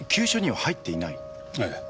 ええ。